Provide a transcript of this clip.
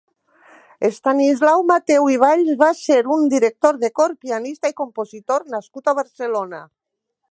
Estanislau Mateu i Valls va ser un director de cor, pianista i compositor nascut a Barcelona.